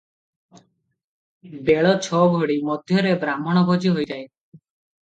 ବେଳ ଛଅଘଡ଼ି ମଧ୍ୟରେ ବାହ୍ମଣ ଭୋଜନି ହୋଇଯାଏ ।